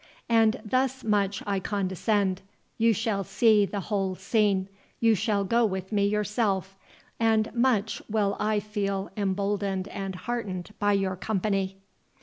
And thus much I condescend—you shall see the whole scene—you shall go with me yourself, and much will I feel emboldened and heartened by your company."